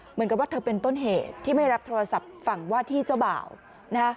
เหมือนกับว่าเธอเป็นต้นเหตุที่ไม่รับโทรศัพท์ฝั่งว่าที่เจ้าบ่าวนะ